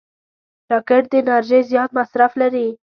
راکټ د انرژۍ زیات مصرف لري